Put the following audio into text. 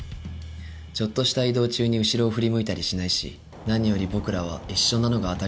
ちょっとした移動中に後ろを振り向いたりしないし何より僕らは一緒なのが当たり前だったから。